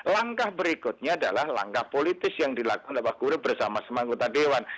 langkah berikutnya adalah langkah politis yang dilakukan oleh pak guru bersama sama anggota dewan